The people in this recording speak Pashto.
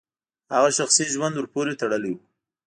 هغه شخصي ژوند ورپورې تړلی و.